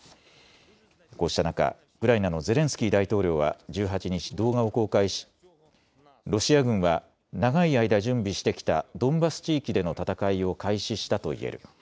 こうした中、ウクライナのゼレンスキー大統領は１８日、動画を公開しロシア軍は長い間準備してきたドンバス地域での戦いを開始したと言える。